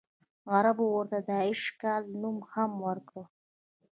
عربو ورته د ایش کال نوم هم ورکړی.